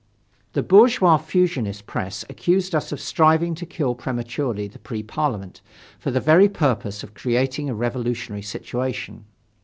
The bourgeois fusionist press accused us of striving to kill prematurely the Pre Parliament, for the very purpose of creating a revolutionary situation.